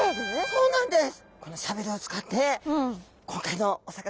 そうなんですよ。